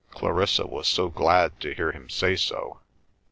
Clarissa was so glad to hear him say so.